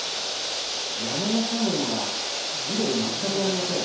山の斜面が緑、全くありません